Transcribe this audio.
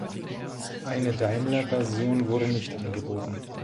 Eine Daimler-Version wurde nicht angeboten.